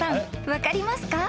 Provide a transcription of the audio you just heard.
分かりますか？